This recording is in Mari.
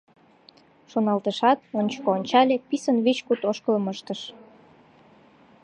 Шоналтышат, ончыко ончале, писын вич-куд ошкылым ыштыш.